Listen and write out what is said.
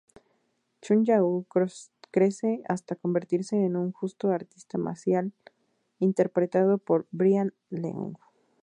Chun Yau crece hasta convertirse en un justo artista marcial interpretado por Bryan Leung.